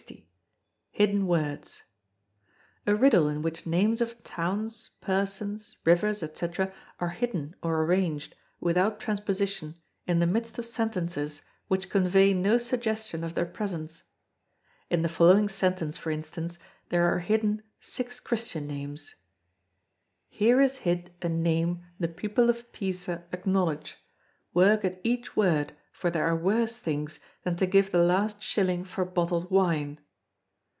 Hidden Words. A riddle in which names of towns, persons, rivers, &c., are hidden or arranged, without transposition, in the midst of sentences which convey no suggestion of their presence. In the following sentence, for instance, there are hidden six Christian names: Here is hid a name the people of Pisa acknowledge: work at each word, for there are worse things than to give the last shilling for bottled wine.